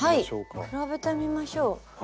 はい比べてみましょう。